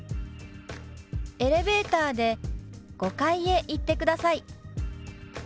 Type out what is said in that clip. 「エレベーターで５階へ行ってください」。